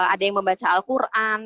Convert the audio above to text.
ada yang membaca al quran